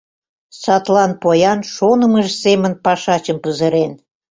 Садлан поян шонымыж семын пашачым пызырен.